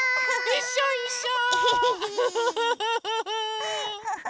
いっしょいっしょ！